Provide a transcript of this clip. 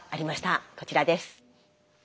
こちらです。